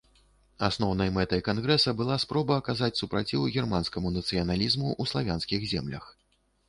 Асноўнай мэтай кангрэса была спроба аказаць супраціў германскаму нацыяналізму ў славянскіх землях.